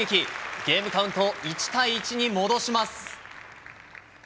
ゲームカウントを１対１に戻します。